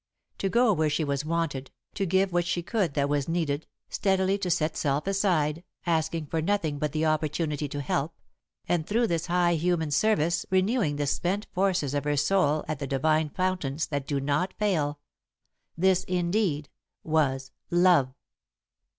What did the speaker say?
To go where she was wanted, to give what she could that was needed, steadily to set self aside, asking for nothing but the opportunity to help, and through this high human service renewing the spent forces of her soul at the divine fountains that do not fail this, indeed, was Love!